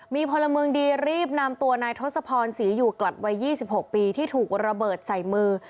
มีพลเมืองดีรีบนำตัวนายทศพรศรีอยู่กลัดวัย๒๖ปีที่ถูกระเบิดใส่มือ